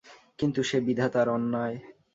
কিন্তু সে বিধাতার অন্যায়।